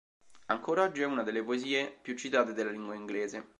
Ancor oggi è una delle poesie più citate della lingua inglese.